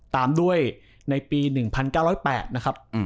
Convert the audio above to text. ตามด้วยในปี๑๙๐๘นะครับ